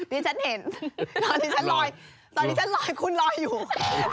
นี่ฉันเห็นตอนนี้ฉันลอยคุณลอยอยู่